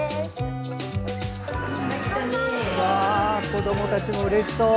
子どもたちもうれしそう！